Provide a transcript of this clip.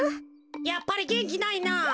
やっぱりげんきないな。